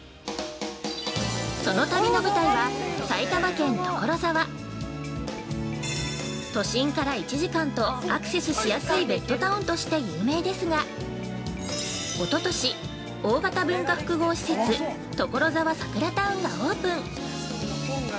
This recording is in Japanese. その旅の舞台は埼玉県・所沢都心から１時間とアクセスしやすいベッドタウンとして有名ですがおととし大型文化複合施設「ところざわサクラタウン」がオープン！